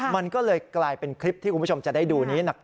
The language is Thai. มันก็เลยกลายเป็นคลิปที่คุณผู้ชมจะได้ดูนี้